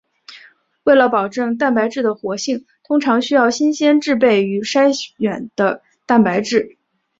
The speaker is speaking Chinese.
为了保证蛋白质的活性通常需要新鲜制备用于筛选的蛋白质。